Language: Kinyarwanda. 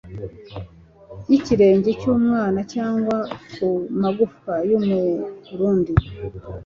y'ikirenge cy'umwana cyangwa ku magufwa y'umurundi